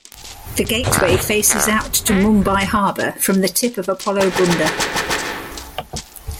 The gateway faces out to Mumbai Harbour from the tip of Apollo Bunder.